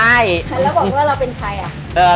แล้วบอกว่าเราเป็นใครอ่ะ